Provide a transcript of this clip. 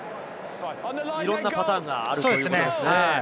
いろんなパターンがあるということですね。